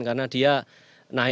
karena dia naik naik